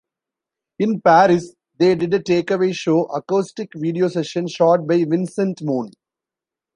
In Paris, they did a "Take-Away Show" acoustic video session shot by Vincent Moon.